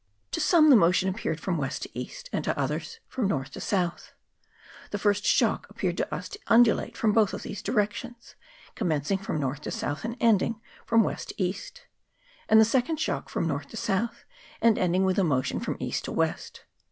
" To some the motion appeared from west to east, and to others from north to south. The first shock appeared to us to undulate from both of these directions, commencing from north to south, and ending from west to east ; and the second shock from north to south, and ending with a motion from east to west.